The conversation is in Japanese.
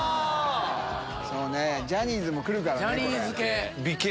そうねジャニーズも来るからねこれ。